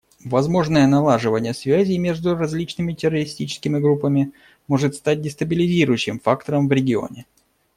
Возможное налаживание связей между различными террористическими группами может стать дестабилизирующим фактором в регионе.